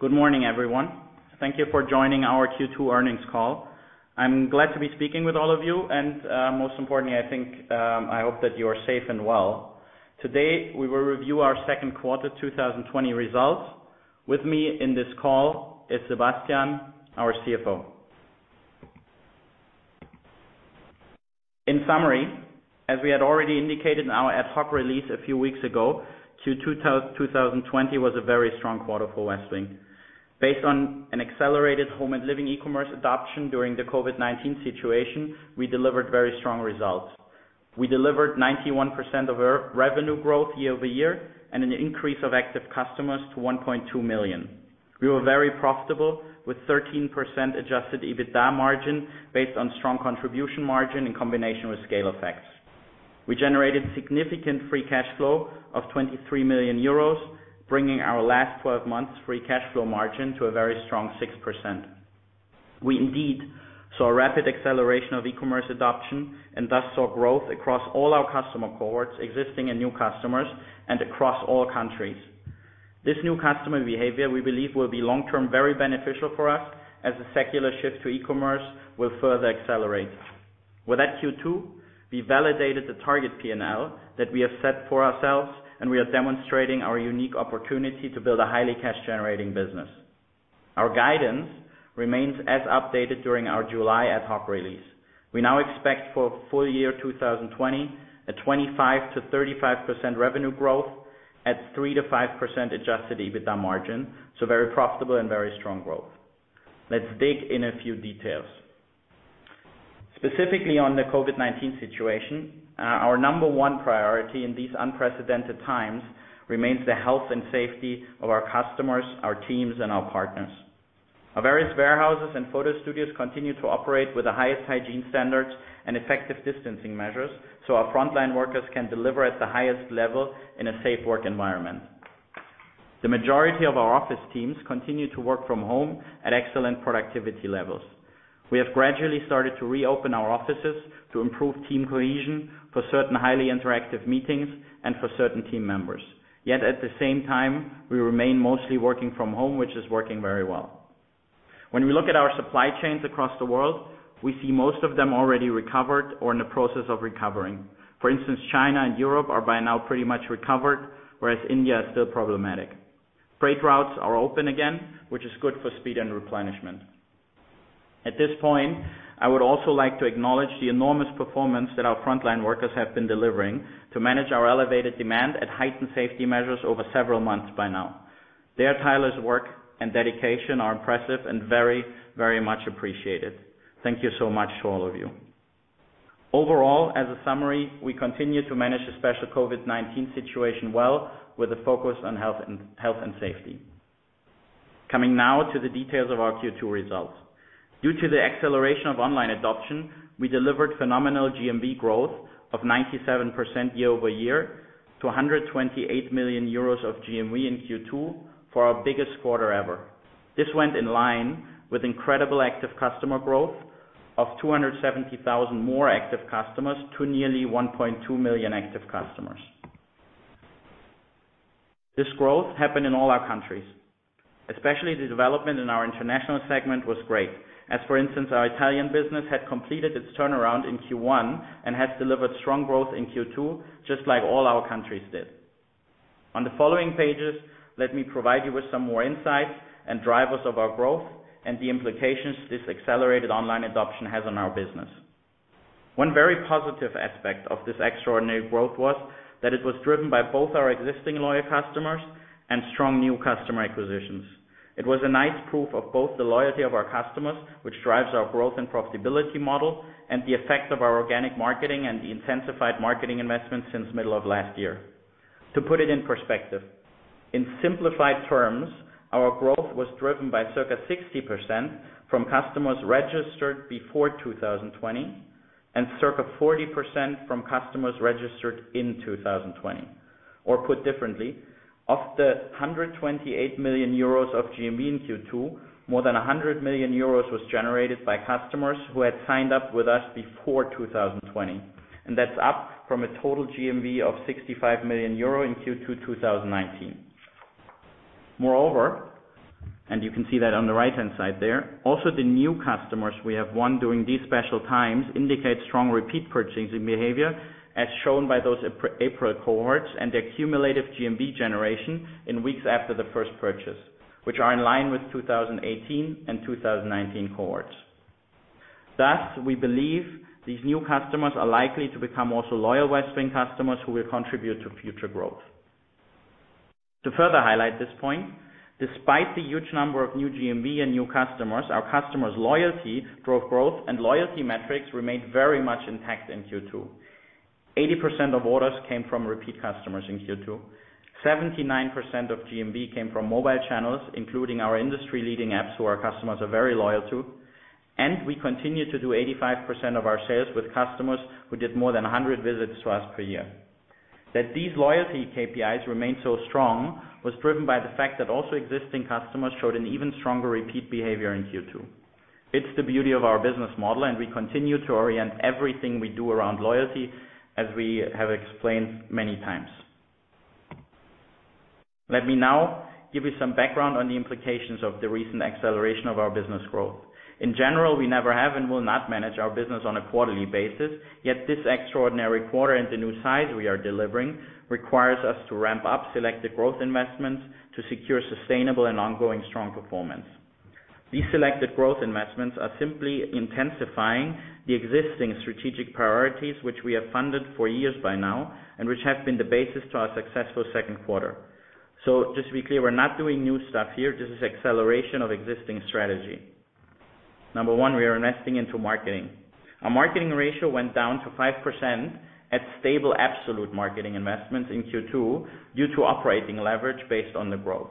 Good morning, everyone. Thank you for joining our Q2 earnings call. Most importantly, I think, I hope that you are safe and well. Today, we will review our second quarter 2020 results. With me in this call is Sebastian, our CFO. In summary, as we had already indicated in our ad hoc release a few weeks ago, Q2 2020 was a very strong quarter for Westwing. Based on an accelerated home and living e-commerce adoption during the COVID-19 situation, we delivered very strong results. We delivered 91% of our revenue growth year-over-year and an increase of active customers to 1.2 million. We were very profitable with 13% adjusted EBITDA margin based on strong contribution margin in combination with scale effects. We generated significant free cash flow of 23 million euros, bringing our last 12 months free cash flow margin to a very strong 6%. We indeed saw a rapid acceleration of e-commerce adoption and thus saw growth across all our customer cohorts, existing and new customers, and across all countries. This new customer behavior, we believe, will be long-term very beneficial for us as the secular shift to e-commerce will further accelerate. With that Q2, we validated the target P&L that we have set for ourselves, and we are demonstrating our unique opportunity to build a highly cash-generating business. Our guidance remains as updated during our July ad hoc release. We now expect for full-year 2020 a 25%-35% revenue growth at 3%-5% adjusted EBITDA margin, very profitable and very strong growth. Let's dig in a few details. Specifically on the COVID-19 situation, our number one priority in these unprecedented times remains the health and safety of our customers, our teams, and our partners. Our various warehouses and photo studios continue to operate with the highest hygiene standards and effective distancing measures so our frontline workers can deliver at the highest level in a safe work environment. The majority of our office teams continue to work from home at excellent productivity levels. We have gradually started to reopen our offices to improve team cohesion for certain highly interactive meetings and for certain team members. Yet at the same time, we remain mostly working from home, which is working very well. When we look at our supply chains across the world, we see most of them already recovered or in the process of recovering. For instance, China and Europe are by now pretty much recovered, whereas India is still problematic. Freight routes are open again, which is good for speed and replenishment. At this point, I would also like to acknowledge the enormous performance that our frontline workers have been delivering to manage our elevated demand at heightened safety measures over several months by now. Their tireless work and dedication are impressive and very much appreciated. Thank you so much to all of you. Overall, as a summary, we continue to manage the special COVID-19 situation well with a focus on health and safety. Coming now to the details of our Q2 results. Due to the acceleration of online adoption, we delivered phenomenal GMV growth of 97% year-over-year to 128 million euros of GMV in Q2 for our biggest quarter ever. This went in line with incredible active customer growth of 270,000 more active customers to nearly 1.2 million active customers. This growth happened in all our countries. Especially the development in our international segment was great. As for instance, our Italian business had completed its turnaround in Q1 and has delivered strong growth in Q2 just like all our countries did. On the following pages, let me provide you with some more insights and drivers of our growth and the implications this accelerated online adoption has on our business. One very positive aspect of this extraordinary growth was that it was driven by both our existing loyal customers and strong new customer acquisitions. It was a nice proof of both the loyalty of our customers, which drives our growth and profitability model, and the effect of our organic marketing and the intensified marketing investment since middle of last year. To put it in perspective, in simplified terms, our growth was driven by circa 60% from customers registered before 2020 and circa 40% from customers registered in 2020, or put differently, of the 128 million euros of GMV in Q2, more than 100 million euros was generated by customers who had signed up with us before 2020. That's up from a total GMV of 65 million euro in Q2 2019. Moreover, and you can see that on the right-hand side there, also the new customers we have won during these special times indicate strong repeat purchasing behavior as shown by those April cohorts and their cumulative GMV generation in weeks after the first purchase, which are in line with 2018 and 2019 cohorts. Thus, we believe these new customers are likely to become also loyal Westwing customers who will contribute to future growth. To further highlight this point, despite the huge number of new GMV and new customers, our customers' loyalty drove growth and loyalty metrics remained very much intact in Q2. 80% of orders came from repeat customers in Q2. 79% of GMV came from mobile channels, including our industry-leading apps who our customers are very loyal to. We continue to do 85% of our sales with customers who did more than 100 visits to us per year. That these loyalty KPIs remain so strong was driven by the fact that also existing customers showed an even stronger repeat behavior in Q2. It's the beauty of our business model, and we continue to orient everything we do around loyalty, as we have explained many times. Let me now give you some background on the implications of the recent acceleration of our business growth. In general, we never have and will not manage our business on a quarterly basis, yet this extraordinary quarter and the new size we are delivering requires us to ramp up selected growth investments to secure sustainable and ongoing strong performance. These selected growth investments are simply intensifying the existing strategic priorities, which we have funded for years by now, and which have been the basis to our successful second quarter. Just to be clear, we're not doing new stuff here. This is acceleration of existing strategy. Number one, we are investing into marketing. Our marketing ratio went down to 5% at stable absolute marketing investments in Q2 due to operating leverage based on the growth.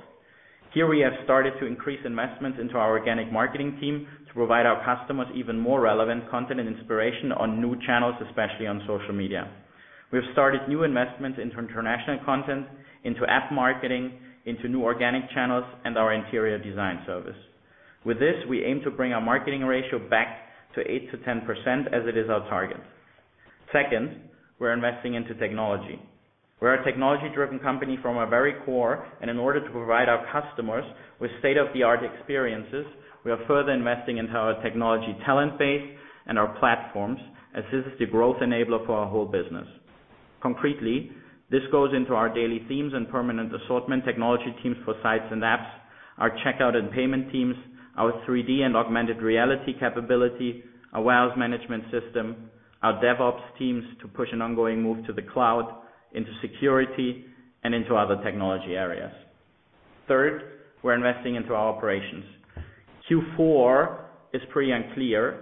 Here, we have started to increase investments into our organic marketing team to provide our customers even more relevant content and inspiration on new channels, especially on social media. We have started new investments into international content, into app marketing, into new organic channels, and our interior design service. With this, we aim to bring our marketing ratio back to 8%-10% as it is our target. Second, we're investing into technology. We're a technology-driven company from our very core, and in order to provide our customers with state-of-the-art experiences, we are further investing into our technology talent base and our platforms as this is the growth enabler for our whole business. Concretely, this goes into our daily themes and permanent assortment technology teams for sites and apps, our checkout and payment teams, our 3D and augmented reality capability, our warehouse management system, our DevOps teams to push an ongoing move to the cloud, into security and into other technology areas. Third, we're investing into our operations. Q4 is pretty unclear,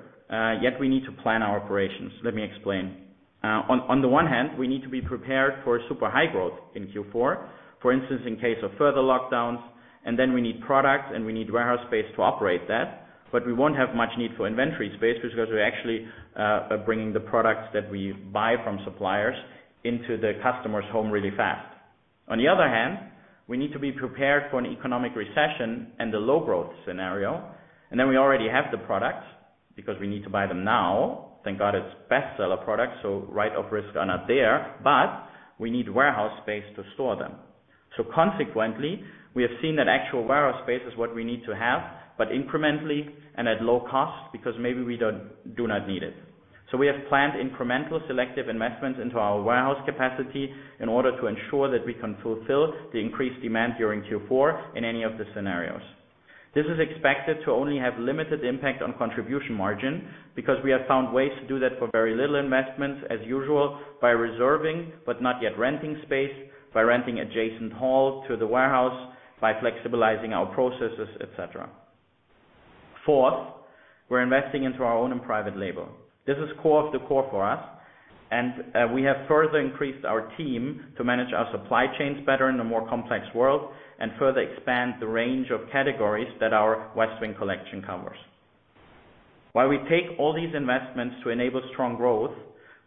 yet we need to plan our operations. Let me explain. We need to be prepared for a super high growth in Q4, for instance, in case of further lockdowns. We need product and we need warehouse space to operate that. We won't have much need for inventory space because we're actually bringing the products that we buy from suppliers into the customer's home really fast. We need to be prepared for an economic recession and the low growth scenario, and then we already have the products because we need to buy them now. Thank God it's bestseller products, so write-off risks are not there. We need warehouse space to store them. We have seen that actual warehouse space is what we need to have, but incrementally and at low cost because maybe we do not need it. We have planned incremental selective investments into our warehouse capacity in order to ensure that we can fulfill the increased demand during Q4 in any of the scenarios. This is expected to only have limited impact on contribution margin because we have found ways to do that for very little investments as usual by reserving, but not yet renting space, by renting adjacent hall to the warehouse, by flexibilizing our processes, et cetera. Fourth, we're investing into our own and private label. This is core of the core for us, and we have further increased our team to manage our supply chains better in a more complex world, and further expand the range of categories that our Westwing Collection covers. While we take all these investments to enable strong growth,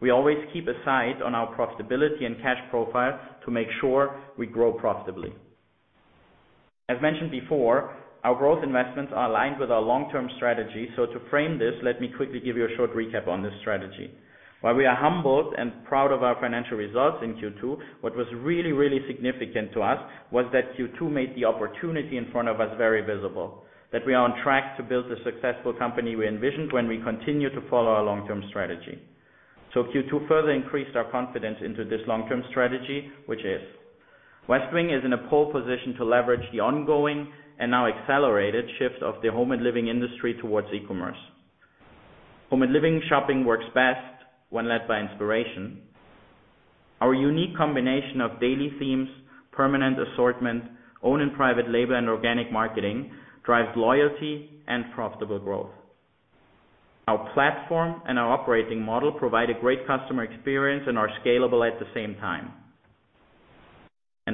we always keep a sight on our profitability and cash profile to make sure we grow profitably. As mentioned before, our growth investments are aligned with our long-term strategy. To frame this, let me quickly give you a short recap on this strategy. While we are humbled and proud of our financial results in Q2, what was really significant to us was that Q2 made the opportunity in front of us very visible, that we are on track to build the successful company we envisioned when we continue to follow our long-term strategy. Q2 further increased our confidence into this long-term strategy, which is Westwing is in a pole position to leverage the ongoing and now accelerated shift of the home and living industry towards e-commerce. Home and living shopping works best when led by inspiration. Our unique combination of daily themes, permanent assortment, own and private label, and organic marketing drives loyalty and profitable growth. Our platform and our operating model provide a great customer experience and are scalable at the same time.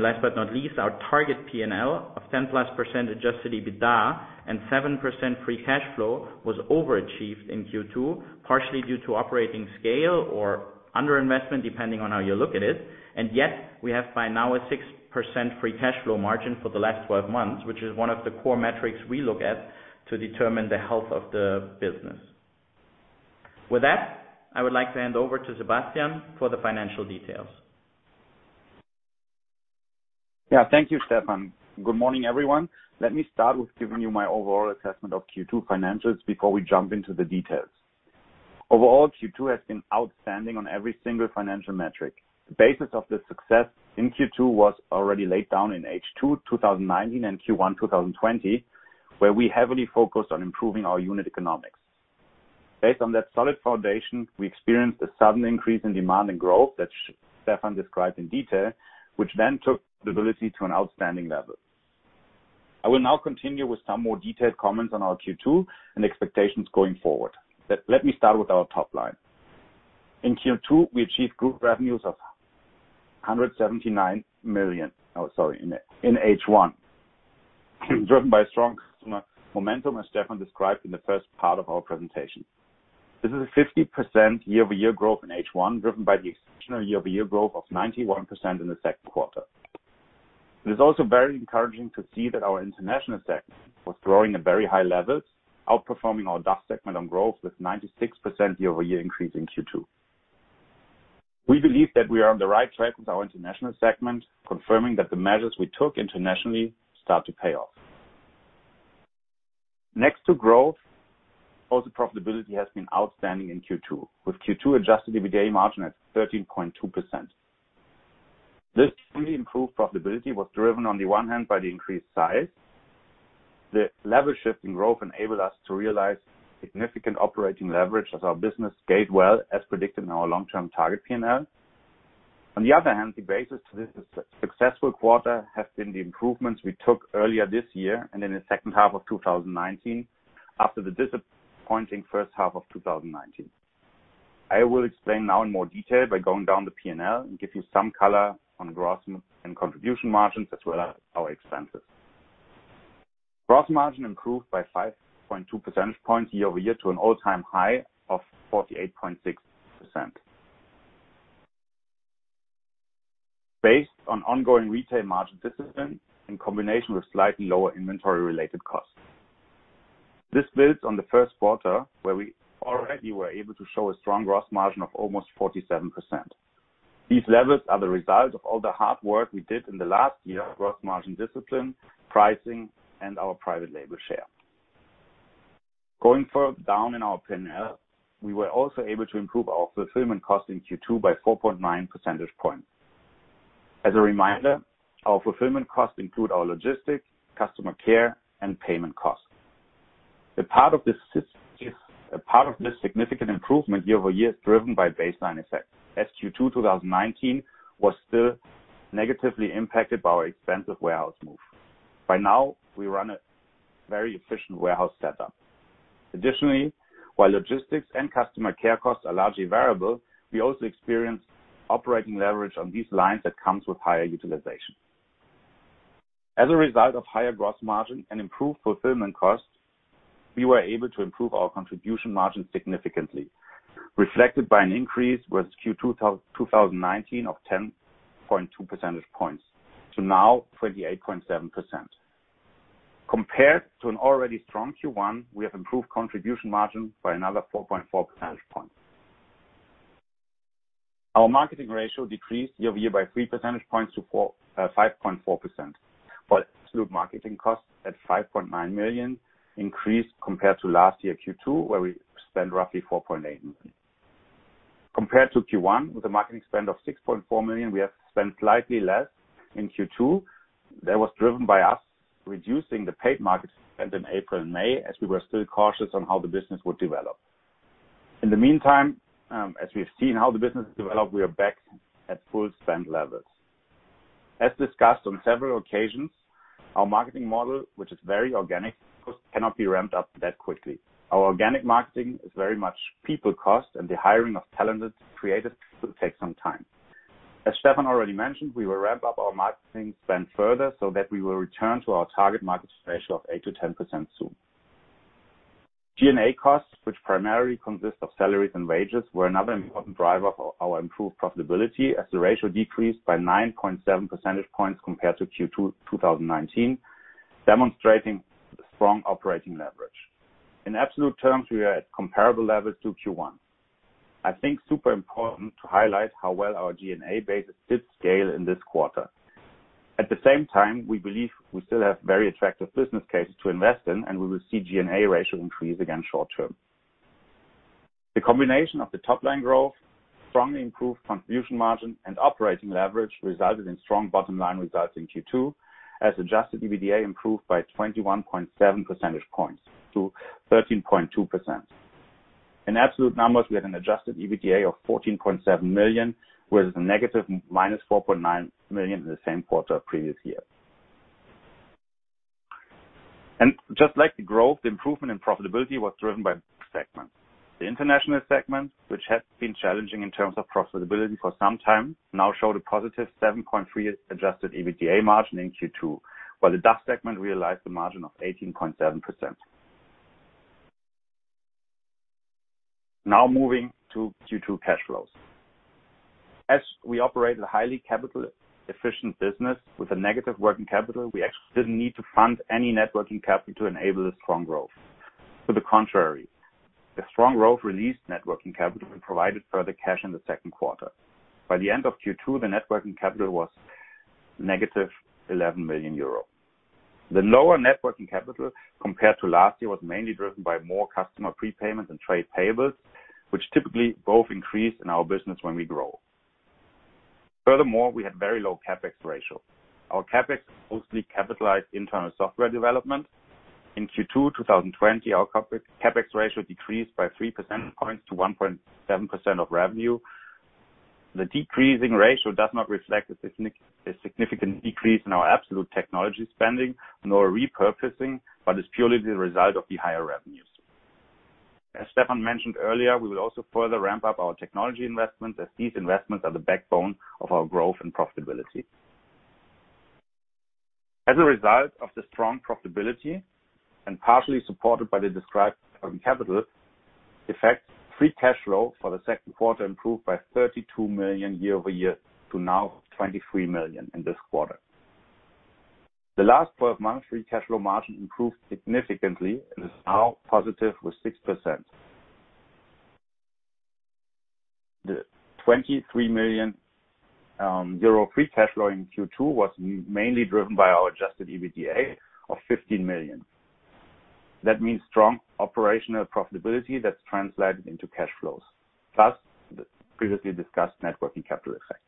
Last but not least, our target P&L of 10%+ adjusted EBITDA and 7% free cash flow was overachieved in Q2, partially due to operating scale or underinvestment, depending on how you look at it. Yet, we have by now a 6% free cash flow margin for the last 12 months, which is one of the core metrics we look at to determine the health of the business. With that, I would like to hand over to Sebastian for the financial details. Yeah. Thank you, Stefan. Good morning, everyone. Let me start with giving you my overall assessment of Q2 financials before we jump into the details. Overall, Q2 has been outstanding on every single financial metric. The basis of the success in Q2 was already laid down in H2 2019 and Q1 2020, where we heavily focused on improving our unit economics. Based on that solid foundation, we experienced a sudden increase in demand and growth that Stefan described in detail, which then took the ability to an outstanding level. I will now continue with some more detailed comments on our Q2 and expectations going forward. Let me start with our top line. In Q2, we achieved group revenues of 179 million. Oh, sorry, in H1. Driven by strong customer momentum, as Stefan described in the first part of our presentation. This is a 50% year-over-year growth in H1, driven by the exceptional year-over-year growth of 91% in the second quarter. It is also very encouraging to see that our international sector was growing at very high levels, outperforming our DACH segment on growth with 96% year-over-year increase in Q2. We believe that we are on the right track with our international segment, confirming that the measures we took internationally start to pay off. Next to growth, also profitability has been outstanding in Q2, with Q2 adjusted EBITDA margin at 13.2%. This fully improved profitability was driven on the one hand by the increased size. The level shift in growth enabled us to realize significant operating leverage as our business scaled well, as predicted in our long-term target P&L. On the other hand, the basis to this successful quarter has been the improvements we took earlier this year and in the second half of 2019, after the disappointing first half of 2019. I will explain now in more detail by going down the P&L and give you some color on gross and contribution margins, as well as our expenses. Gross margin improved by 5.2 percentage points year-over-year to an all-time high of 48.6%, based on ongoing retail margin discipline in combination with slightly lower inventory related costs. This builds on the first quarter, where we already were able to show a strong gross margin of almost 47%. These levels are the result of all the hard work we did in the last year of gross margin discipline, pricing, and our private label share. Going further down in our P&L, we were also able to improve our fulfillment cost in Q2 by 4.9 percentage points. As a reminder, our fulfillment costs include our logistics, customer care, and payment costs. A part of this significant improvement year-over-year is driven by baseline effect, as Q2 2019 was still negatively impacted by our expensive warehouse move. By now, we run a very efficient warehouse setup. Additionally, while logistics and customer care costs are largely variable, we also experience operating leverage on these lines that comes with higher utilization. As a result of higher gross margin and improved fulfillment costs, we were able to improve our contribution margin significantly, reflected by an increase with Q2 2019 of 10.2 percentage points to now 28.7%. Compared to an already strong Q1, we have improved contribution margin by another 4.4 percentage points. Our marketing ratio decreased year-over-year by 3 percentage points to 5.4%, but absolute marketing costs at 5.9 million increased compared to last year Q2, where we spent roughly 4.8 million. Compared to Q1 with a marketing spend of 6.4 million, we have spent slightly less in Q2. That was driven by us reducing the paid market spend in April and May, as we were still cautious on how the business would develop. In the meantime, as we've seen how the business developed, we are back at full spend levels. As discussed on several occasions, our marketing model, which is very organic, cannot be ramped up that quickly. Our organic marketing is very much people cost and the hiring of talented creatives will take some time. As Stefan already mentioned, we will ramp up our marketing spend further so that we will return to our target market ratio of 8%-10% soon. G&A costs, which primarily consist of salaries and wages, were another important driver for our improved profitability as the ratio decreased by 9.7 percentage points compared to Q2 2019, demonstrating strong operating leverage. In absolute terms, we are at comparable levels to Q1. I think super important to highlight how well our G&A base did scale in this quarter. At the same time, we believe we still have very attractive business cases to invest in. We will see G&A ratio increase again short-term. The combination of the top line growth, strongly improved contribution margin, and operating leverage resulted in strong bottom line results in Q2, as adjusted EBITDA improved by 21.7 percentage points to 13.2%. In absolute numbers, we had an adjusted EBITDA of 14.7 million, whereas the negative -4.9 million in the same quarter previous year. Just like the growth, the improvement in profitability was driven by segments. The international segment, which has been challenging in terms of profitability for some time, now showed a positive 7.3% adjusted EBITDA margin in Q2, while the DACH segment realized a margin of 18.7%. Now moving to Q2 cash flows. As we operate a highly capital efficient business with a negative working capital, we actually didn't need to fund any net working capital to enable the strong growth. To the contrary, the strong growth released net working capital and provided further cash in the second quarter. By the end of Q2, the net working capital was -11 million euro. The lower net working capital compared to last year was mainly driven by more customer prepayments and trade payables, which typically both increase in our business when we grow. Furthermore, we had very low CapEx ratio. Our CapEx mostly capitalized internal software development. In Q2 2020, our CapEx ratio decreased by 3 percentage points to 1.7% of revenue. The decreasing ratio does not reflect a significant decrease in our absolute technology spending nor repurposing, but is purely the result of the higher revenues. As Stefan mentioned earlier, we will also further ramp up our technology investments as these investments are the backbone of our growth and profitability. As a result of the strong profitability and partially supported by the described capital effect free cash flow for the second quarter improved by 32 million year-over-year to now 23 million in this quarter. The last 12 months, free cash flow margin improved significantly and is now positive with 6%. The 23 million euro free cash flow in Q2 was mainly driven by our adjusted EBITDA of 15 million. That means strong operational profitability that's translated into cash flows, plus the previously discussed net working capital effect.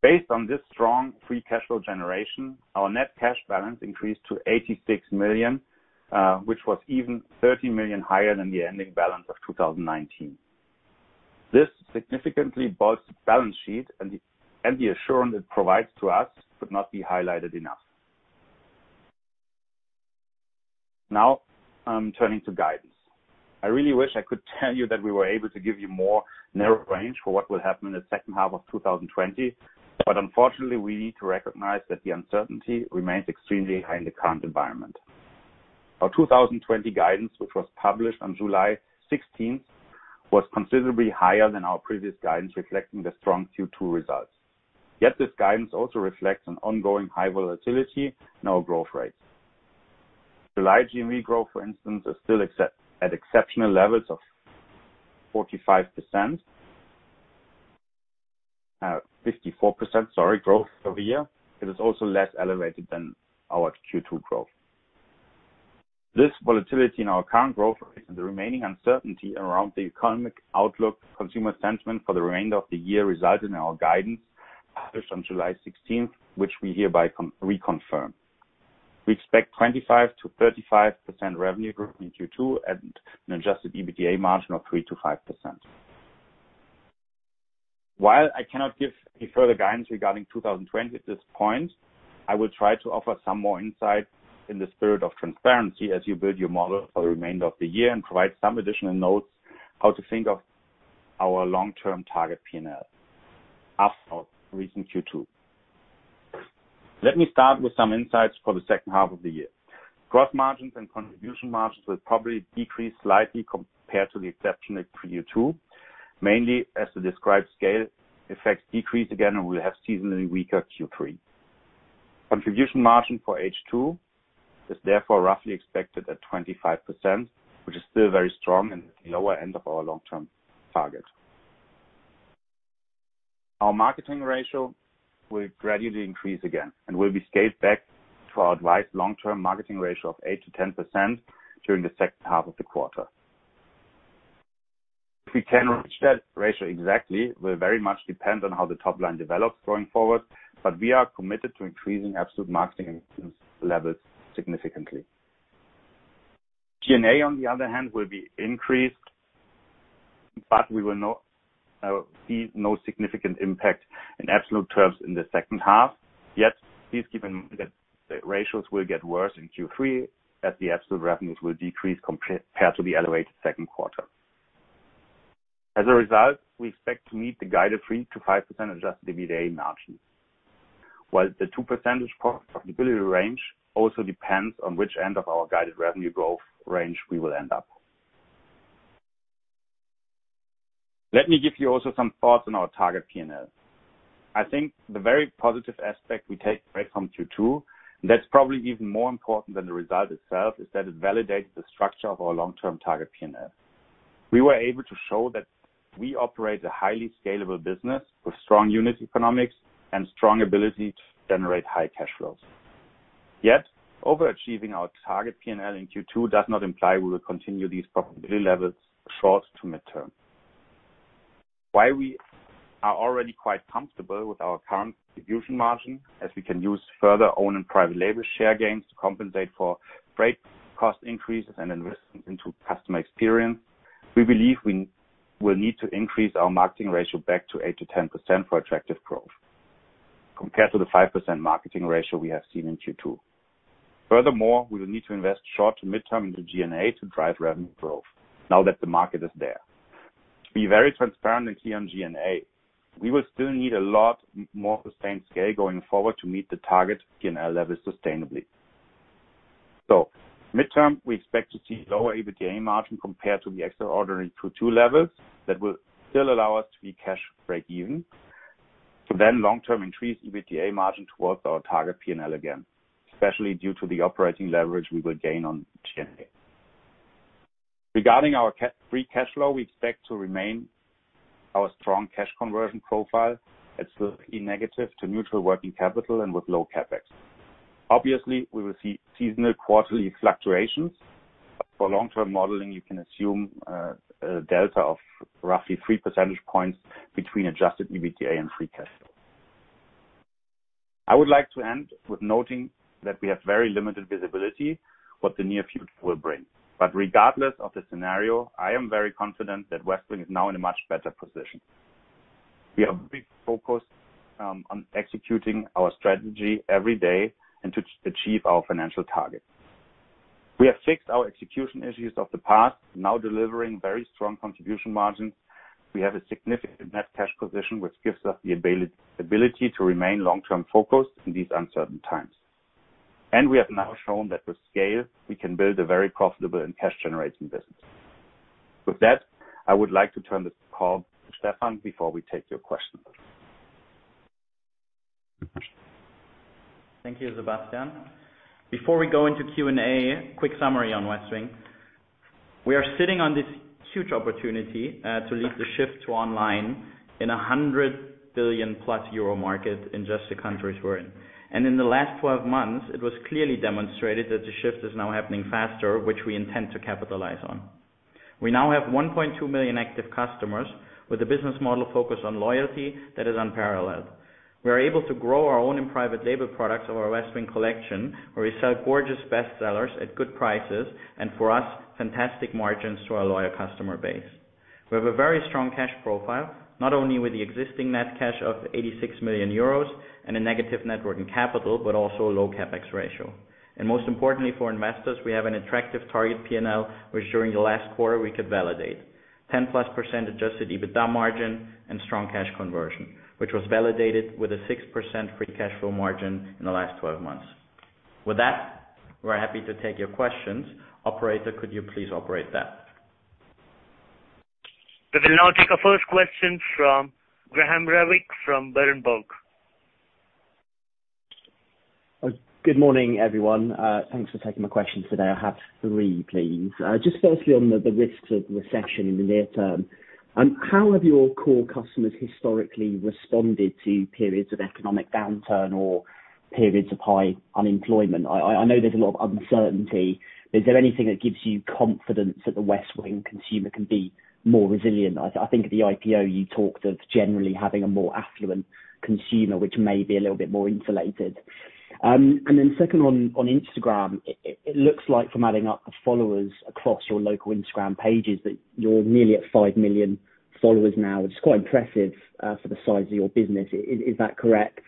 Based on this strong free cash flow generation, our net cash balance increased to 86 million, which was even 30 million higher than the ending balance of 2019. This significantly bolsters the balance sheet, and the assurance it provides to us could not be highlighted enough. Now, turning to guidance. I really wish I could tell you that we were able to give you more narrow range for what will happen in the second half of 2020, but unfortunately, we need to recognize that the uncertainty remains extremely high in the current environment. Our 2020 guidance was published on July 16th was considerably higher than our previous guidance reflecting strong Q2 results This guidance also reflects an ongoing high volatility in our growth rates. The high GMV growth, for instance, is still at exceptional levels of 45%-54%, sorry, growth over year. It is also less elevated than our Q2 growth. This volatility in our current growth rates and the remaining uncertainty around the economic outlook consumer sentiment for the remainder of the year resulted in our guidance published on July 16th, which we hereby reconfirm. We expect 25%-35% revenue growth in Q2 and an adjusted EBITDA margin of 3%-5%. While I cannot give any further guidance regarding 2020 at this point, I will try to offer some more insight in the spirit of transparency as you build your model for the remainder of the year and provide some additional notes how to think of our long-term target P&L after our recent Q2. Let me start with some insights for the second half of the year. Gross margins and contribution margins will probably decrease slightly compared to the exception at Q2, mainly as the described scale effects decrease again, and we have seasonally weaker Q3. Contribution margin for H2 is therefore roughly expected at 25%, which is still very strong and at the lower end of our long-term target. Our marketing ratio will gradually increase again and will be scaled back to our advised long-term marketing ratio of 8%-10% during the second half of the quarter. If we can reach that ratio exactly will very much depend on how the top line develops going forward, but we are committed to increasing absolute marketing levels significantly. G&A, on the other hand, will be increased, but we will see no significant impact in absolute terms in the second half. Please keep in mind that the ratios will get worse in Q3 as the absolute revenues will decrease compared to the elevated second quarter. We expect to meet the guided 3%-5% adjusted EBITDA margin. The 2 percentage points profitability range also depends on which end of our guided revenue growth range we will end up. Let me give you also some thoughts on our target P&L. I think the very positive aspect we take away from Q2, and that's probably even more important than the result itself, is that it validates the structure of our long-term target P&L. We were able to show that we operate a highly scalable business with strong unit economics and strong ability to generate high cash flows. Yet, overachieving our target P&L in Q2 does not imply we will continue these profitability levels short to midterm. While we are already quite comfortable with our current contribution margin, as we can use further own and private label share gains to compensate for freight cost increases and investment into customer experience, we believe we will need to increase our marketing ratio back to 8%-10% for attractive growth compared to the 5% marketing ratio we have seen in Q2. We will need to invest short to midterm into G&A to drive revenue growth now that the market is there. To be very transparent and clear on G&A, we will still need a lot more sustained scale going forward to meet the target P&L levels sustainably. Midterm, we expect to see lower EBITDA margin compared to the extraordinary Q2 levels that will still allow us to be cash breakeven. To long-term increase EBITDA margin towards our target P&L again, especially due to the operating leverage we will gain on G&A. Regarding our free cash flow, we expect to remain our strong cash conversion profile at slightly negative to neutral working capital and with low CapEx. We will see seasonal quarterly fluctuations. For long-term modeling, you can assume a delta of roughly 3 percentage points between adjusted EBITDA and free cash flow. I would like to end with noting that we have very limited visibility what the near future will bring. Regardless of the scenario, I am very confident that Westwing is now in a much better position. We are very focused on executing our strategy every day and to achieve our financial targets. We have fixed our execution issues of the past, now delivering very strong contribution margins. We have a significant net cash position, which gives us the ability to remain long-term focused in these uncertain times. We have now shown that with scale, we can build a very profitable and cash-generating business. With that, I would like to turn this call to Stefan before we take your questions. Thank you, Sebastian. Before we go into Q&A, quick summary on Westwing. We are sitting on this huge opportunity to lead the shift to online in 100 billion euro+ market in just the countries we're in. In the last 12 months, it was clearly demonstrated that the shift is now happening faster, which we intend to capitalize on. We now have 1.2 million active customers with a business model focused on loyalty that is unparalleled. We are able to grow our own and private label products of our Westwing Collection, where we sell gorgeous bestsellers at good prices, and for us, fantastic margins to our loyal customer base. We have a very strong cash profile, not only with the existing net cash of 86 million euros and a negative net working capital, but also a low CapEx ratio. Most importantly for investors, we have an attractive target P&L, which during the last quarter, we could validate. 10%+ adjusted EBITDA margin and strong cash conversion, which was validated with a 6% free cash flow margin in the last 12 months. With that, we are happy to take your questions. Operator, could you please operate that? We will now take our first question from Graham Renwick from Berenberg. Good morning, everyone. Thanks for taking my question today. I have three, please. Firstly on the risks of recession in the near-term. How have your core customers historically responded to periods of economic downturn or periods of high unemployment? I know there's a lot of uncertainty. Is there anything that gives you confidence that the Westwing consumer can be more resilient? I think at the IPO, you talked of generally having a more affluent consumer, which may be a little bit more insulated. Second on Instagram, it looks like from adding up the followers across your local Instagram pages that you're nearly at 5 million followers now, which is quite impressive for the size of your business. Is that correct?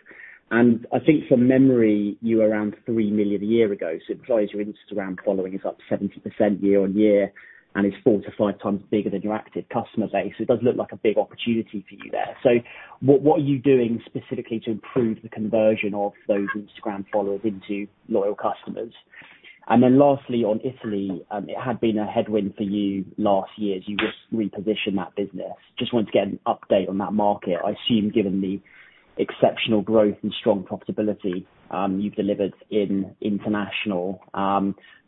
I think from memory, you were around 3 million a year ago. It implies your Instagram following is up 70% year-on-year and is 4x-5x bigger than your active customer base. It does look like a big opportunity for you there. What are you doing specifically to improve the conversion of those Instagram followers into loyal customers? Lastly, on Italy, it had been a headwind for you last year as you repositioned that business. Just wanted to get an update on that market. I assume given the exceptional growth and strong profitability, you've delivered in international,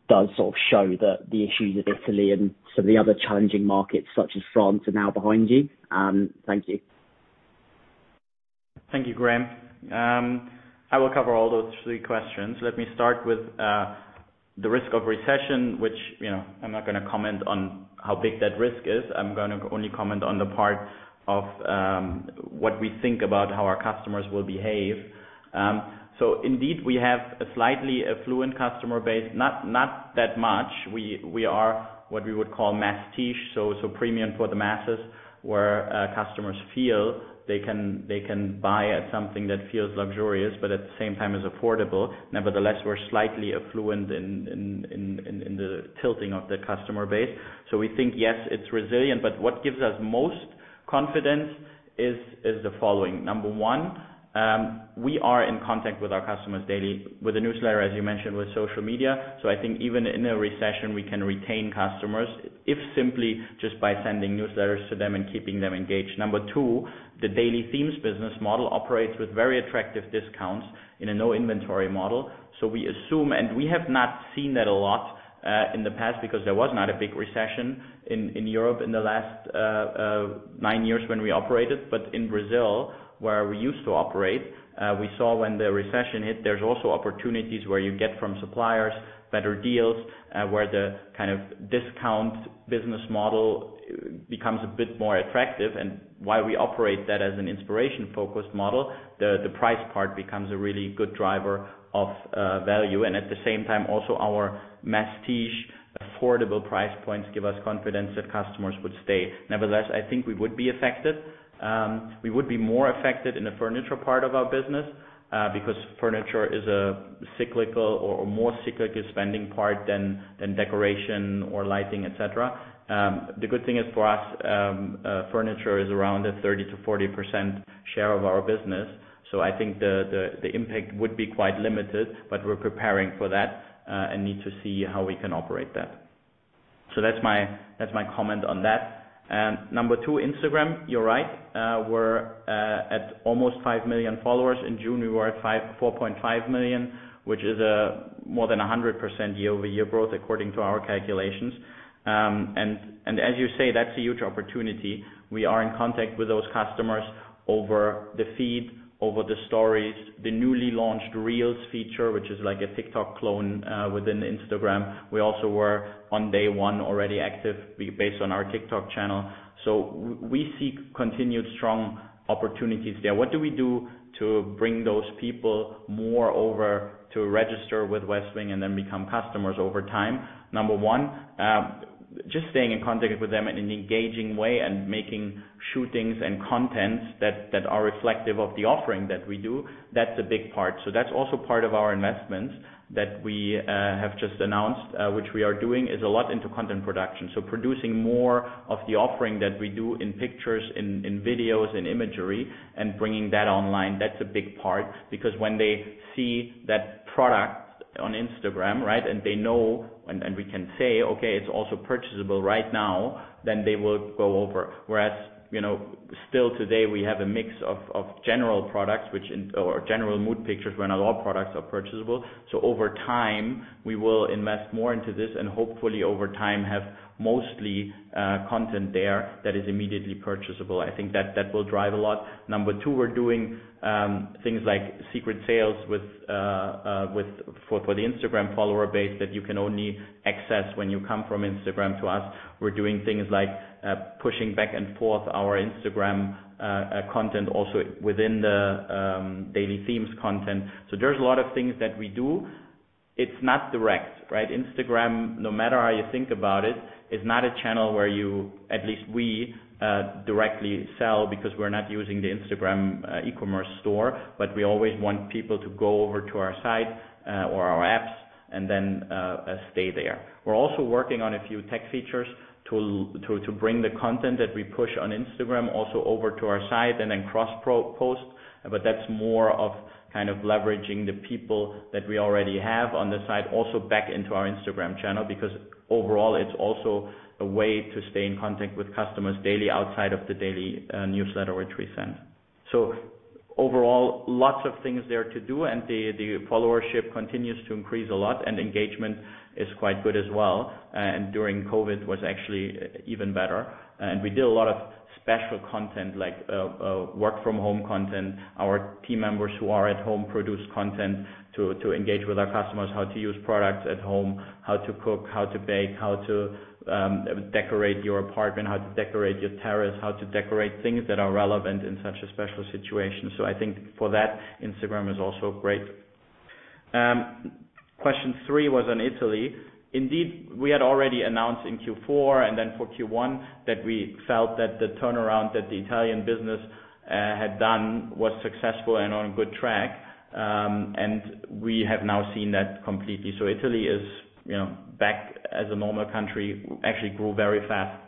does sort of show that the issues with Italy and some of the other challenging markets such as France are now behind you. Thank you. Thank you, Graham. I will cover all those three questions. Let me start with the risk of recession, which I'm not going to comment on how big that risk is. I'm going to only comment on the part of what we think about how our customers will behave. Indeed, we have a slightly affluent customer base, not that much. We are what we would call masstige, premium for the masses where customers feel they can buy something that feels luxurious, but at the same time is affordable. Nevertheless, we're slightly affluent in the tilting of the customer base. We think, yes, it's resilient, but what gives us most confidence is the following. Number one, we are in contact with our customers daily with the newsletter, as you mentioned, with social media. I think even in a recession, we can retain customers, if simply just by sending newsletters to them and keeping them engaged. Number two, the daily themes business model operates with very attractive discounts in a no inventory model. We assume, and we have not seen that a lot, in the past because there was not a big recession in Europe in the last nine years when we operated. In Brazil, where we used to operate, we saw when the recession hit, there's also opportunities where you get from suppliers better deals, where the discount business model becomes a bit more attractive. While we operate that as an inspiration-focused model, the price part becomes a really good driver of value. At the same time, also our masstige affordable price points give us confidence that customers would stay. Nevertheless, I think we would be affected. We would be more affected in the furniture part of our business, because furniture is a cyclical or more cyclical spending part than decoration or lighting, et cetera. The good thing is for us, furniture is around a 30%-40% share of our business. I think the impact would be quite limited, but we're preparing for that and need to see how we can operate that. That's my comment on that. Number two, Instagram, you're right. We're at almost five million followers. In June, we were at 4.5 million, which is more than 100% year-over-year growth according to our calculations. As you say, that's a huge opportunity. We are in contact with those customers over the feed, over the stories, the newly launched Reels feature, which is like a TikTok clone within Instagram. We also were on day one already active based on our TikTok channel. We see continued strong opportunities there. What do we do to bring those people more over to register with Westwing and then become customers over time? Number one, just staying in contact with them in an engaging way and making shootings and contents that are reflective of the offering that we do. That's a big part. That's also part of our investments that we have just announced, which we are doing, is a lot into content production. Producing more of the offering that we do in pictures, in videos, in imagery, and bringing that online. That's a big part because when they see that product on Instagram, right? They know and we can say, Okay, it's also purchasable right now, then they will go over. Whereas, still today we have a mix of general products or general mood pictures where not all products are purchasable. Over time, we will invest more into this and hopefully over time have mostly content there that is immediately purchasable. I think that will drive a lot. Number two, we're doing things like secret sales for the Instagram follower base that you can only access when you come from Instagram to us. We're doing things like pushing back and forth our Instagram content also within the daily themes content. There's a lot of things that we do. It's not direct, right? Instagram, no matter how you think about it, is not a channel where you, at least we, directly sell because we're not using the Instagram e-commerce store, but we always want people to go over to our site, or our apps and then stay there. We're also working on a few tech features to bring the content that we push on Instagram, also over to our site and then cross-post. That's more of kind of leveraging the people that we already have on the site, also back into our Instagram channel, because overall, it's also a way to stay in contact with customers daily outside of the daily newsletter, which we send. Overall, lots of things there to do, and the followership continues to increase a lot, and engagement is quite good as well. During COVID was actually even better. We did a lot of special content, like work-from-home content. Our team members who are at home produce content to engage with our customers, how to use products at home, how to cook, how to bake, how to decorate your apartment, how to decorate your terrace, how to decorate things that are relevant in such a special situation. I think for that, Instagram is also great. Question three was on Italy. Indeed, we had already announced in Q4 and then for Q1 that we felt that the turnaround that the Italian business had done was successful and on good track. We have now seen that completely. Italy is back as a normal country, actually grew very fast,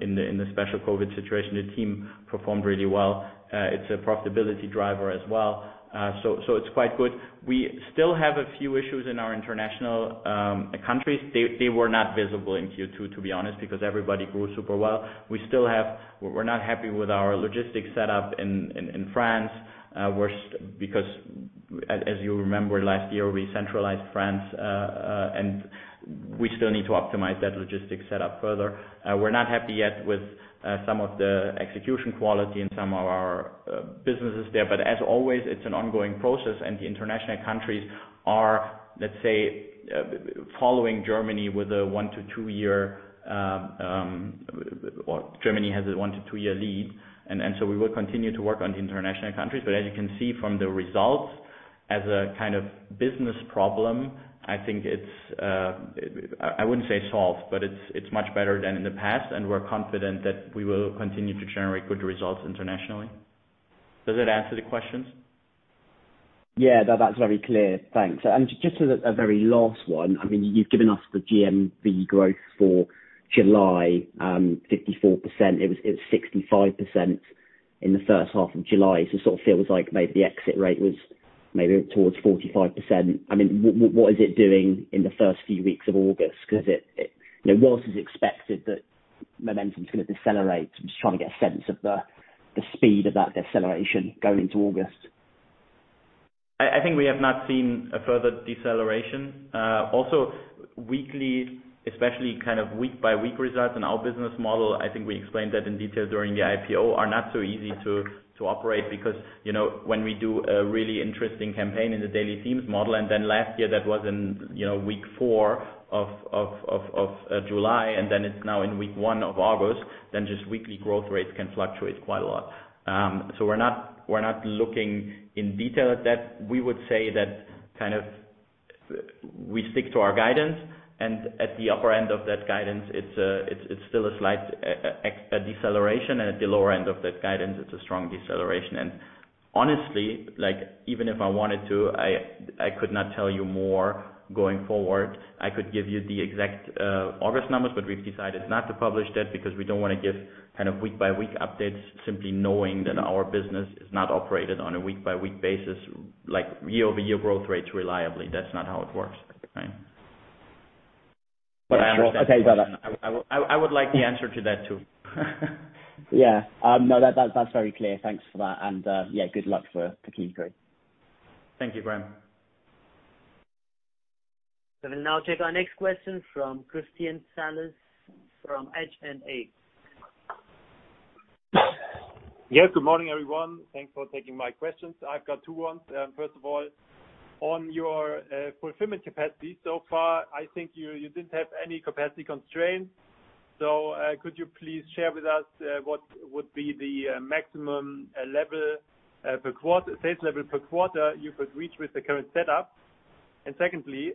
in the special COVID-19 situation. The team performed really well. It's a profitability driver as well. It's quite good. We still have a few issues in our international countries. They were not visible in Q2, to be honest, because everybody grew super well. We're not happy with our logistics set up in France, because as you remember last year, we centralized France. We still need to optimize that logistics set up further. We're not happy yet with some of the execution quality in some of our businesses there. As always, it's an ongoing process. The international countries are, let's say, following Germany with a 1-2 year lead. We will continue to work on the international countries. As you can see from the results, as a kind of business problem, I think it's, I wouldn't say solved, but it's much better than in the past. We're confident that we will continue to generate good results internationally. Does that answer the questions? Yeah, that's very clear. Thanks. Just a very last one. You've given us the GMV growth for July, 54%. It was 65% in the first half of July. It sort of feels like maybe the exit rate was maybe towards 45%. What is it doing in the first few weeks of August? Whilst it's expected that momentum's going to decelerate, I'm just trying to get a sense of the speed of that deceleration going into August. I think we have not seen a further deceleration. Weekly, especially kind of week-by-week results in our business model, I think we explained that in detail during the IPO, are not so easy to operate because, when we do a really interesting campaign in the daily themes model, then last year that was in week four of July, and then it's now in week one of August, then just weekly growth rates can fluctuate quite a lot. We're not looking in detail at that. We would say that we stick to our guidance. At the upper end of that guidance, it's still a slight deceleration. At the lower end of that guidance, it's a strong deceleration. Honestly, even if I wanted to, I could not tell you more going forward. I could give you the exact August numbers, but we've decided not to publish that because we don't want to give kind of week by week updates simply knowing that our business is not operated on a week-by-week basis, like year-over-year growth rates reliably. That's not how it works, right? Okay. Got it. I would like the answer to that, too. Yeah. No, that's very clear. Thanks for that. Yeah, good luck for Q3. Thank you, Graham. We will now take our next question from Christian Salis from H&A. Good morning, everyone. Thanks for taking my questions. I've got two ones. First of all, on your fulfillment capacity so far, I think you didn't have any capacity constraints. Could you please share with us what would be the maximum sales level per quarter you could reach with the current setup? Secondly,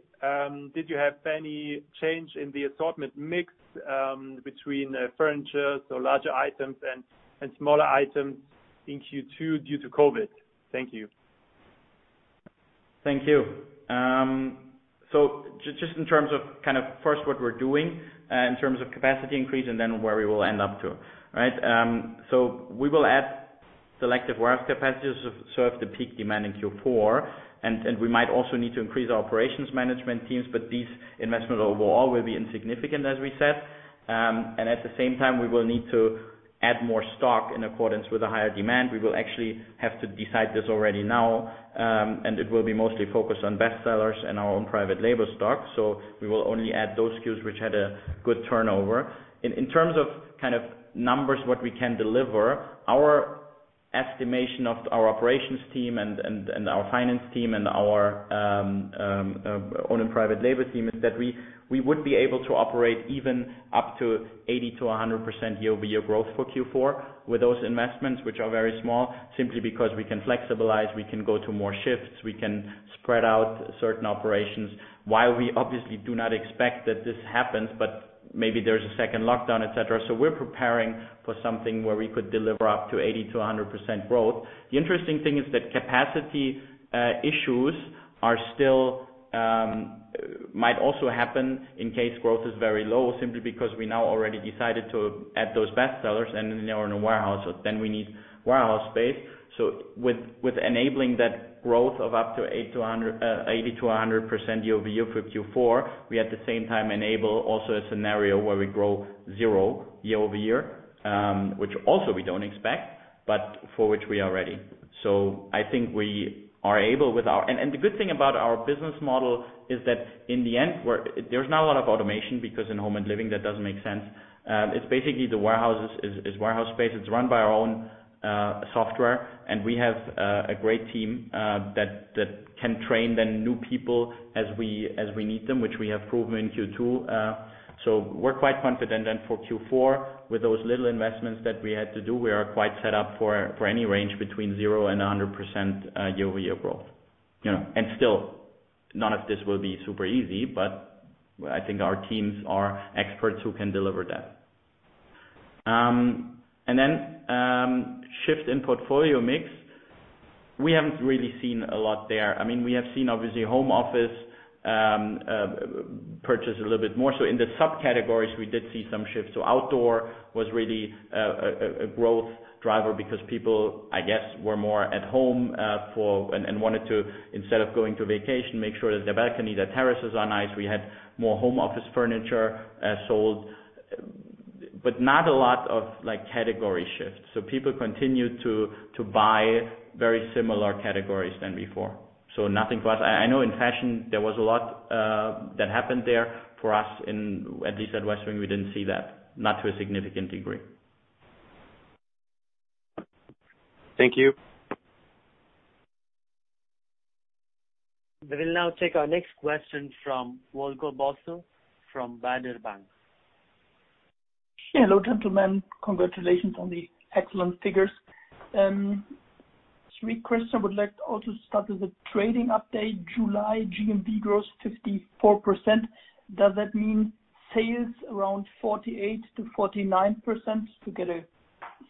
did you have any change in the assortment mix, between furniture, so larger items, and smaller items in Q2 due to COVID-19? Thank you. Thank you. Just in terms of first what we're doing in terms of capacity increase and then where we will end up to. Right? We will add selective warehouse capacities serve the peak demand in Q4, and we might also need to increase our operations management teams, but these investments overall will be insignificant as we said. At the same time, we will need to add more stock in accordance with the higher demand. We will actually have to decide this already now, and it will be mostly focused on best sellers and our own private label stock. We will only add those SKUs which had a good turnover. In terms of kind of numbers, what we can deliver, our estimation of our operations team and our finance team and our own private label team is that we would be able to operate even up to 80%-100% year-over-year growth for Q4 with those investments, which are very small, simply because we can flexibilize, we can go to more shifts, we can spread out certain operations while we obviously do not expect that this happens, but maybe there's a second lockdown, et cetera. We're preparing for something where we could deliver up to 80%-100% growth. The interesting thing is that capacity issues might also happen in case growth is very low, simply because we now already decided to add those best sellers, and they are in a warehouse. We need warehouse space. With enabling that growth of up to 80%-100% year-over-year for Q4, we at the same time enable also a scenario where we grow zero year-over-year, which also we don't expect, but for which we are ready. The good thing about our business model is that in the end, there's not a lot of automation because in home and living, that doesn't make sense. It's basically the warehouse space. It's run by our own software, and we have a great team that can train the new people as we need them, which we have proven in Q2. We're quite confident then for Q4 with those little investments that we had to do. We are quite set up for any range between zero and 100% year-over-year growth. Still, none of this will be super easy, but I think our teams are experts who can deliver that. Shift in portfolio mix. We haven't really seen a lot there. We have seen, obviously, home office purchase a little bit more. In the subcategories, we did see some shifts. Outdoor was really a growth driver because people, I guess, were more at home, and wanted to, instead of going to vacation, make sure that their balcony, their terraces are nice. We had more home office furniture sold, but not a lot of category shifts. People continued to buy very similar categories than before. Nothing for us. I know in fashion, there was a lot that happened there. For us, at least at Westwing, we didn't see that, not to a significant degree. Thank you. We will now take our next question from Volker Bosse from Baader Bank. Hello, gentlemen. Congratulations on the excellent figures. Three questions. I would like also to start with the trading update. July GMV gross 54%. Does that mean sales around 48%-49% to get a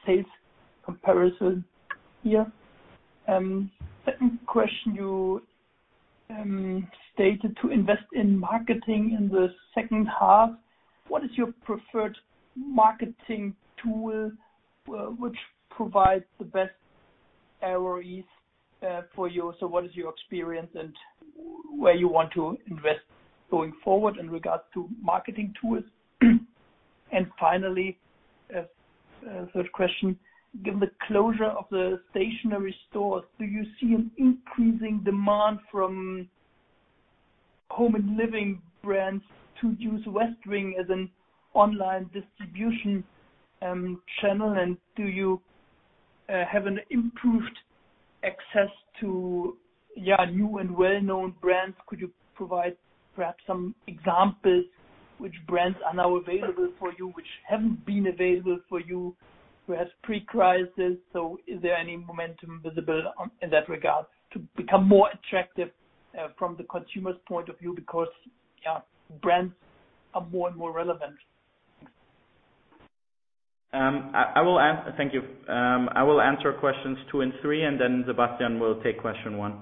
sales comparison here? Second question, you stated to invest in marketing in the second half. What is your preferred marketing tool which provides the best ROIs for you? What is your experience and where you want to invest going forward in regards to marketing tools? Finally, third question, given the closure of the stationary stores, do you see an increasing demand from home and living brands to use Westwing as an online distribution channel? Do you have an improved access to new and well-known brands? Could you provide perhaps some examples which brands are now available for you, which haven't been available for you perhaps pre-crisis? Is there any momentum visible in that regard to become more attractive from the consumer's point of view because brands are more and more relevant? Thank you. I will answer questions two and three. Sebastian will take question one.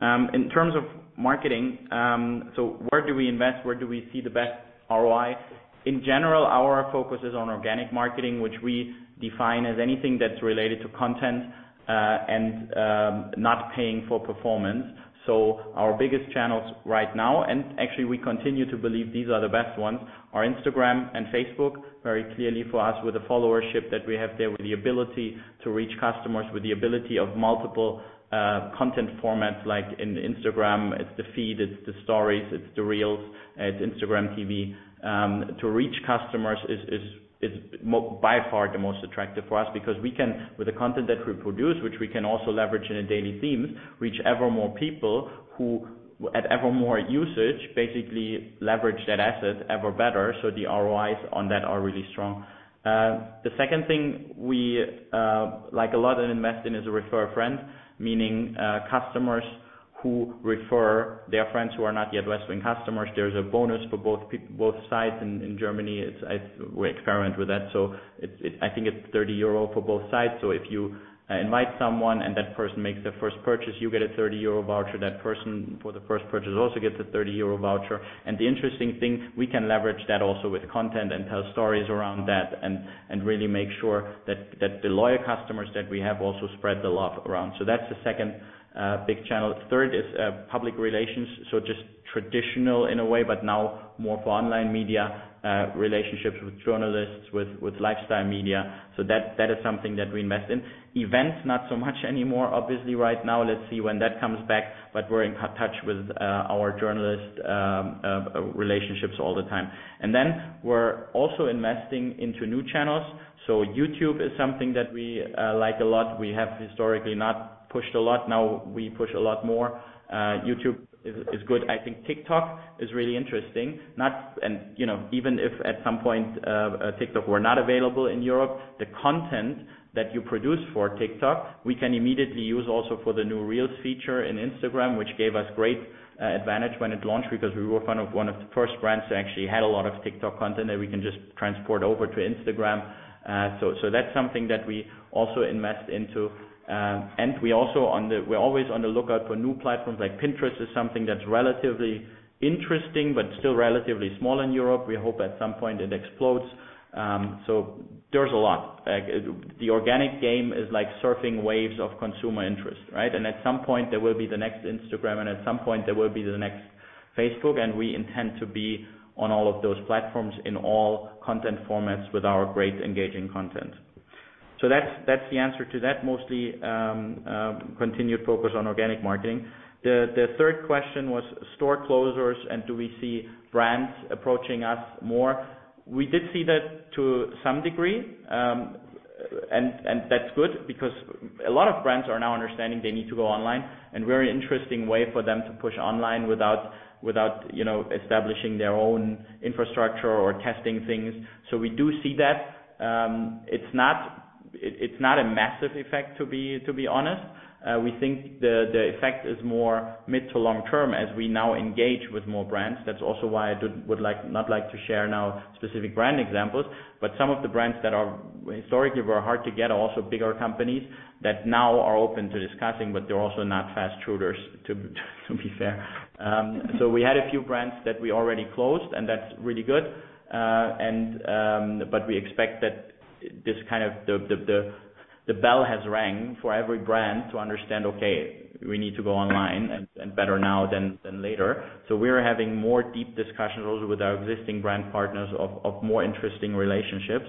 In terms of marketing, where do we invest, where do we see the best ROI? In general, our focus is on organic marketing, which we define as anything that's related to content and not paying for performance. Our biggest channels right now, actually we continue to believe these are the best ones, are Instagram and Facebook, very clearly for us with the followership that we have there, with the ability to reach customers, with the ability of multiple content formats like in Instagram, it's the feed, it's the stories, it's the Reels, it's Instagram TV. To reach customers is by far the most attractive for us because we can, with the content that we produce, which we can also leverage in a daily theme, reach ever more people who at ever more usage, basically leverage that asset ever better. The ROIs on that are really strong. The second thing we like a lot and invest in is a refer a friend, meaning customers who refer their friends who are not yet Westwing customers. There's a bonus for both sides in Germany, we experiment with that. I think it's 30 euro for both sides. If you invite someone and that person makes their first purchase, you get a 30 euro voucher. That person for the first purchase also gets a 30 euro voucher. The interesting thing, we can leverage that also with content and tell stories around that and really make sure that the loyal customers that we have also spread the love around. That's the second big channel. Third is public relations. Just traditional in a way, but now more for online media, relationships with journalists, with lifestyle media. That is something that we invest in. Events, not so much anymore obviously right now. Let's see when that comes back. We're in touch with our journalist relationships all the time. Then we're also investing into new channels. YouTube is something that we like a lot. We have historically not pushed a lot, now we push a lot more. YouTube is good. I think TikTok is really interesting. Even if at some point TikTok were not available in Europe, the content that you produce for TikTok, we can immediately use also for the new Reels feature in Instagram, which gave us great advantage when it launched because we were one of the first brands to actually have a lot of TikTok content that we can just transport over to Instagram. That's something that we also invest into. We're always on the lookout for new platforms. Pinterest is something that's relatively interesting, but still relatively small in Europe. We hope at some point it explodes. There's a lot. The organic game is like surfing waves of consumer interest, right? At some point there will be the next Instagram, and at some point there will be the next Facebook, and we intend to be on all of those platforms in all content formats with our great engaging content. That's the answer to that. Mostly, continued focus on organic marketing. The third question was store closures and do we see brands approaching us more. We did see that to some degree, and that's good because a lot of brands are now understanding they need to go online and very interesting way for them to push online without establishing their own infrastructure or testing things. We do see that. It's not a massive effect, to be honest. We think the effect is more mid to long-term as we now engage with more brands. That's also why I would not like to share now specific brand examples, but some of the brands that historically were hard to get are also bigger companies that now are open to discussing, but they're also not fast shooters to be fair. We had a few brands that we already closed, and that's really good. We expect that the bell has rang for every brand to understand, okay, we need to go online and better now than later. We are having more deep discussions also with our existing brand partners of more interesting relationships.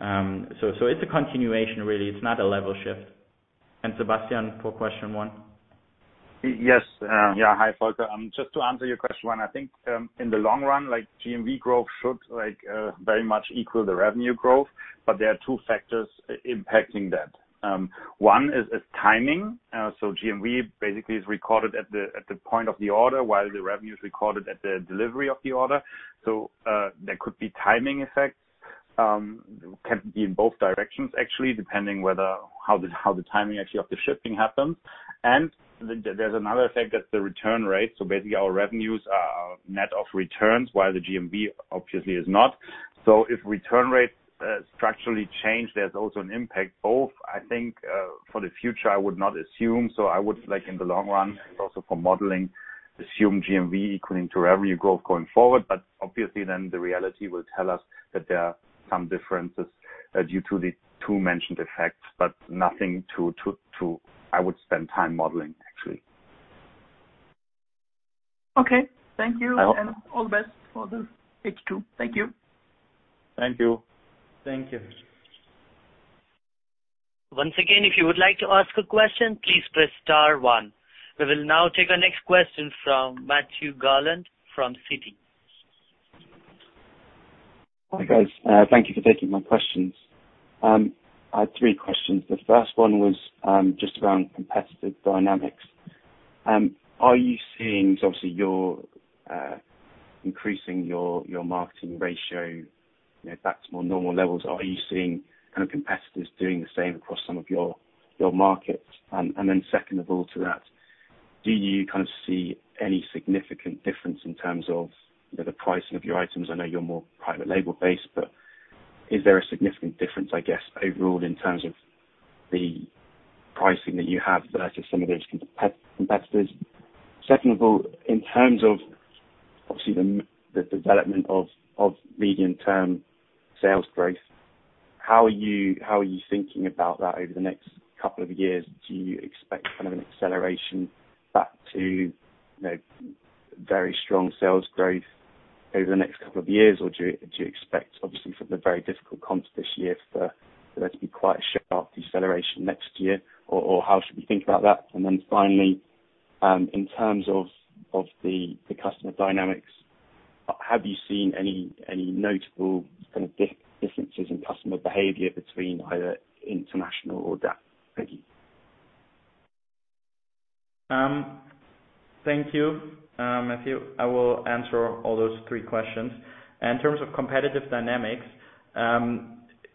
It's a continuation really. It's not a level shift. Sebastian, for question one. Yes. Hi, Volker. Just to answer your question, I think, in the long run, GMV growth should very much equal the revenue growth, but there are two factors impacting that. One is timing. GMV basically is recorded at the point of the order while the revenue is recorded at the delivery of the order. There could be timing effects. Can be in both directions actually, depending how the timing actually of the shipping happens. There's another effect, that's the return rate. Basically, our revenues are net of returns, while the GMV obviously is not. If return rates structurally change, there's also an impact both, I think. For the future, I would not assume. I would like in the long run and also for modeling, assume GMV equaling to revenue growth going forward. Obviously then the reality will tell us that there are some differences due to the two mentioned effects, but nothing I would spend time modeling, actually. Okay. Thank you and all the best for the H2. Thank you. Thank you. Thank you. Once again, if you would like to ask a question, please press star one. We will now take our next question from Matthew Garland from Citi. Hi, guys. Thank you for taking my questions. I have three questions. The first one was just around competitive dynamics. Obviously, you're increasing your marketing ratio back to more normal levels. Are you seeing competitors doing the same across some of your markets? Second of all to that, do you see any significant difference in terms of the pricing of your items? I know you're more private label based, is there a significant difference, I guess, overall in terms of the pricing that you have versus some of those competitors? Second of all, in terms of obviously the development of medium-term sales growth, how are you thinking about that over the next couple of years? Do you expect an acceleration back to very strong sales growth over the next couple of years, or do you expect, obviously from the very difficult comp this year, for there to be quite a sharp deceleration next year? How should we think about that? Finally, in terms of the customer dynamics, have you seen any notable differences in customer behavior between either international or DACH? Thank you. Thank you, Matthew. I will answer all those three questions. In terms of competitive dynamics,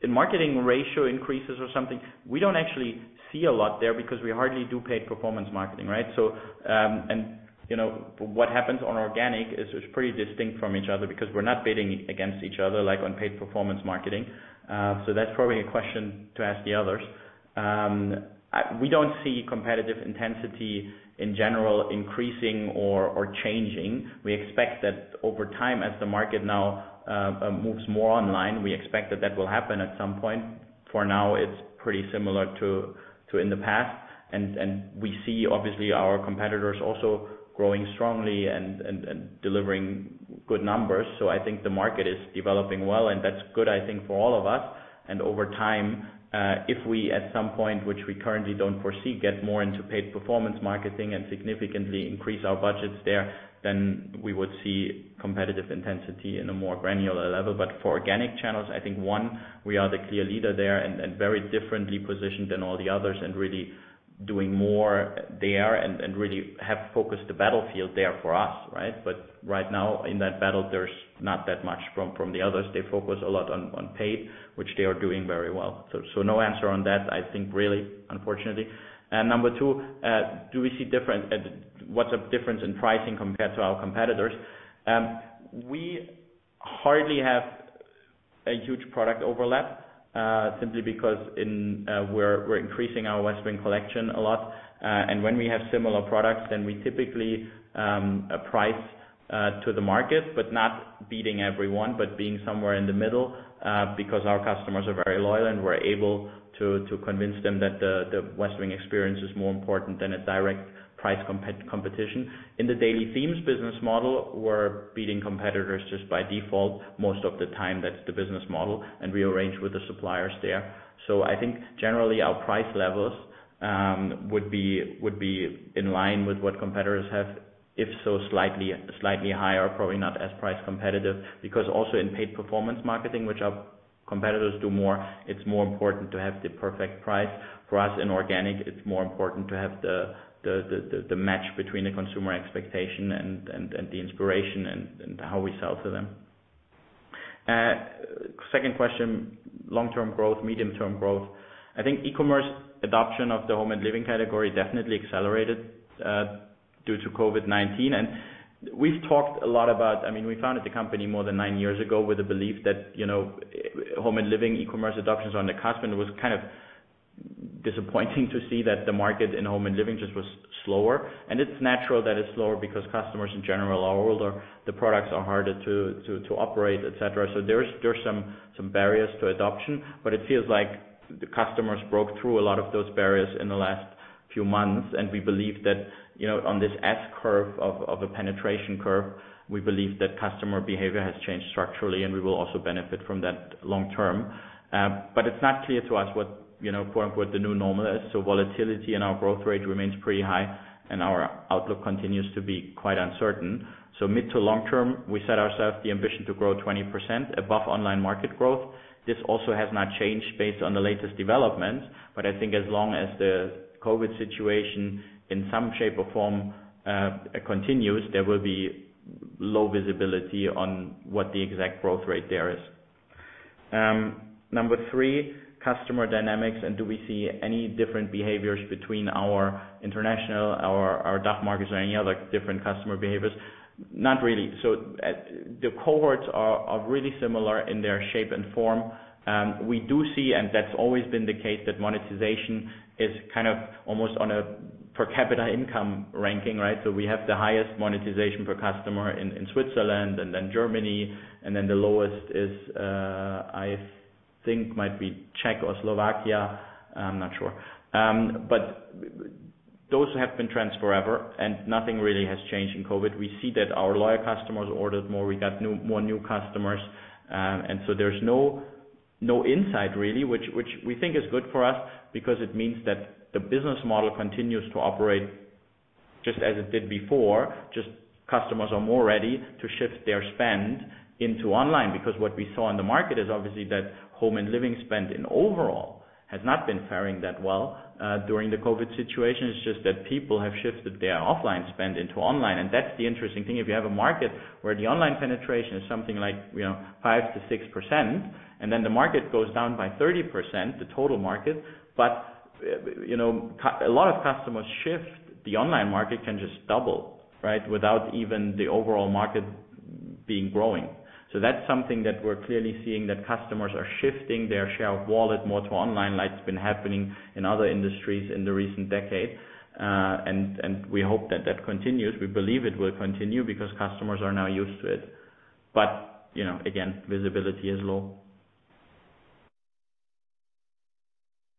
marketing ratio increases or something, we don't actually see a lot there because we hardly do paid performance marketing, right? What happens on organic is pretty distinct from each other because we're not bidding against each other like on paid performance marketing. That's probably a question to ask the others. We don't see competitive intensity in general increasing or changing. We expect that over time, as the market now moves more online, we expect that will happen at some point. For now, it's pretty similar to in the past, and we see, obviously, our competitors also growing strongly and delivering good numbers. I think the market is developing well, and that's good, I think, for all of us. Over time, if we, at some point, which we currently don't foresee, get more into paid performance marketing and significantly increase our budgets there, then we would see competitive intensity in a more granular level. For organic channels, I think, one, we are the clear leader there and very differently positioned than all the others and really doing more there and really have focused the battlefield there for us, right? Right now, in that battle, there's not that much from the others. They focus a lot on paid, which they are doing very well. No answer on that, I think, really, unfortunately. Number two, what's the difference in pricing compared to our competitors? We hardly have a huge product overlap, simply because we're increasing our Westwing Collection a lot. When we have similar products, then we typically price to the market, but not beating everyone, but being somewhere in the middle, because our customers are very loyal, and we're able to convince them that the Westwing experience is more important than a direct price competition. In the daily themes business model, we're beating competitors just by default most of the time. That's the business model, and we arrange with the suppliers there. I think, generally, our price levels would be in line with what competitors have, if so, slightly higher, probably not as price competitive. Because also in paid performance marketing, which our competitors do more, it's more important to have the perfect price. For us, in organic, it's more important to have the match between the consumer expectation and the inspiration and how we sell to them. Second question, long-term growth, medium-term growth. I think e-commerce adoption of the home and living category definitely accelerated due to COVID-19. We founded the company more than nine years ago with the belief that home and living e-commerce adoption is on the cusp, and it was kind of disappointing to see that the market in home and living just was slower. It's natural that it's slower because customers, in general, are older. The products are harder to operate, et cetera. There's some barriers to adoption, but it feels like the customers broke through a lot of those barriers in the last few months, and we believe that on this S curve of a penetration curve, we believe that customer behavior has changed structurally, and we will also benefit from that long term. It's not clear to us what quote, unquote, the new normal is. Volatility in our growth rate remains pretty high, and our outlook continues to be quite uncertain. Mid to long-term, we set ourselves the ambition to grow 20% above online market growth. This also has not changed based on the latest developments, but I think as long as the COVID-19 situation, in some shape or form, continues, there will be low visibility on what the exact growth rate there is. Number three, customer dynamics, do we see any different behaviors between our international, our DACH markets or any other different customer behaviors? Not really. The cohorts are really similar in their shape and form. We do see, that's always been the case, that monetization is almost on a per capita income ranking, right? We have the highest monetization per customer in Switzerland and then Germany, and then the lowest I think might be Czech or Slovakia. I'm not sure. Those have been trends forever, and nothing really has changed in COVID-19. We see that our loyal customers ordered more. We got more new customers. There's no insight, really, which we think is good for us because it means that the business model continues to operate just as it did before. Customers are more ready to shift their spend into online because what we saw in the market is obviously that home and living spend in overall has not been faring that well during the COVID-19 situation. It's just that people have shifted their offline spend into online, and that's the interesting thing. If you have a market where the online penetration is something like 5%-6% and then the market goes down by 30%, the total market, but a lot of customers shift, the online market can just double without even the overall market being growing. That's something that we're clearly seeing, that customers are shifting their share of wallet more to online, like it's been happening in other industries in the recent decade. We hope that that continues. We believe it will continue because customers are now used to it. Again, visibility is low.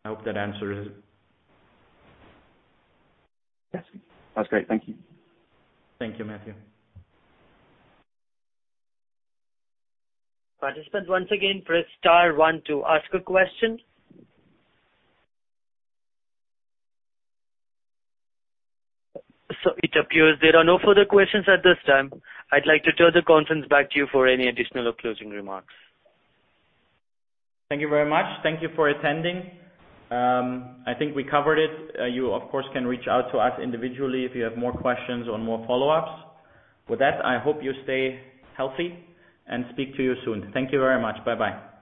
I hope that answers it. Yes. That's great. Thank you. Thank you, Matthew. Participant, once again, press star one to ask a question. It appears there are no further questions at this time. I'd like to turn the conference back to you for any additional or closing remarks. Thank you very much. Thank you for attending. I think we covered it. You, of course, can reach out to us individually if you have more questions or more follow-ups. With that, I hope you stay healthy and speak to you soon. Thank you very much. Bye-bye